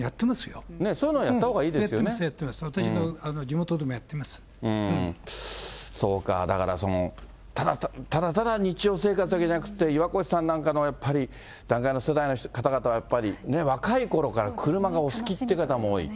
そういうのやったほうがいいやってます、やってます、私そうか、だから、その、ただただ日常生活だけじゃなくて、岩越さんなんかの団塊の世代の方々はやっぱり、若いころから車がお好きって方も多い。